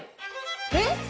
えっ？